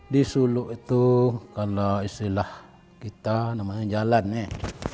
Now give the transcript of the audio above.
di suluk itu kalau istilah kita namanya jalan nih